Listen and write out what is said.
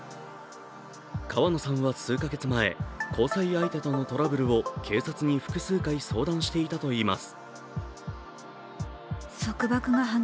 川野さんは数か月前交際相手とのトラブルを警察に複数回相談していたといいます。